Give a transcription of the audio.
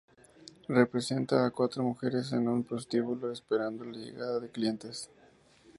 Representa a cuatro mujeres en un prostíbulo esperando la llegada de clientes.